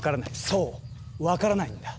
そう分からないんだ。